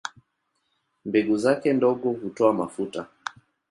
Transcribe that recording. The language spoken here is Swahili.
Mbegu zake ndogo hutoa mafuta.